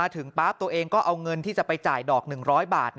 ถึงปั๊บตัวเองก็เอาเงินที่จะไปจ่ายดอก๑๐๐บาท